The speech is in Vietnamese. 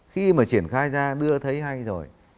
khi mà triển khai ra đưa thấy hay rồi